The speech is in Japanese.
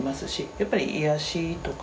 やっぱり癒やしとか。